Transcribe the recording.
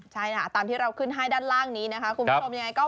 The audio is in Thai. ใช่ตามที่เราขึ้นให้ด้านล่างนี้คุณผู้ชมยังไง